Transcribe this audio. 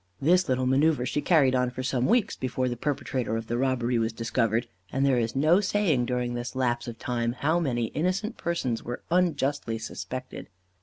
This little manœuvre she carried on for some weeks before the perpetrator of the robbery was discovered; and there is no saying, during this lapse of time, how many innocent persons were unjustly suspected.